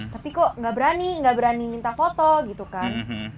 tapi kok nggak berani nggak berani minta foto gitu kan